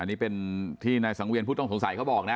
อันนี้เป็นที่นายสังเวียนผู้ต้องสงสัยเขาบอกนะ